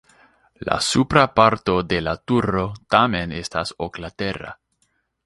La supra parto de la turo tamen estas oklatera.